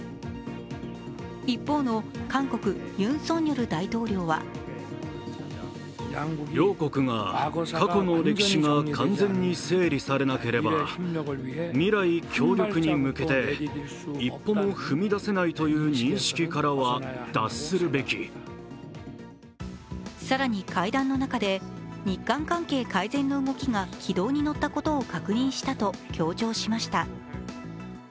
一方の韓国ユン・ソンニョル大統領は更に、会談の中で日韓関係改善の動きが軌道に乗ったことを確認したと強調しました。